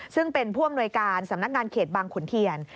ซึ่งเป็นผู้อำนวยการสำนักงานเขตบางขุนเทียน